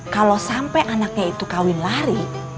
kalau sampai anaknya itu kawin lari